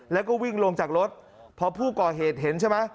แล้วก็วิ่งลงจากรถพอผู้ก่อเหตุเห็นใช่ไหม